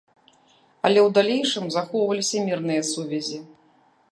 Але ў далейшым захоўваліся мірныя сувязі.